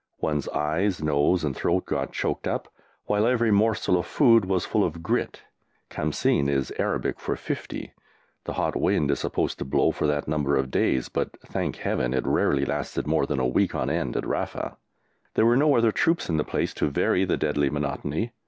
One's eyes, nose, and throat got choked up, while every morsel of food was full of grit. "Khamsin" is Arabic for fifty; the hot wind is supposed to blow for that number of days but, thank Heaven, it rarely lasted more than a week on end at Rafa. There were no other troops in the place to vary the deadly monotony.